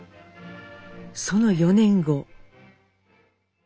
その４年後。